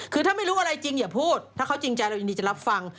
คือถ้าไม่รู้อะไรจริงอย่าพูดถ้าเขาจริงใจเรายินดีจะรับฟัง